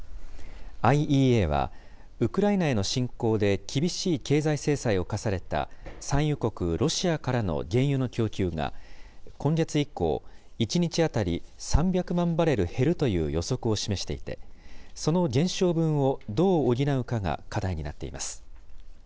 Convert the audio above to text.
ＩＥＡは、ウクライナへの侵攻で、厳しい経済制裁を科された産油国ロシアからの原油の供給が、今月以降、１日当たり３００万バレル減るという予測を示していて、その減少分をどう補うかが課題になっています。